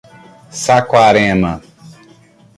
Saquarema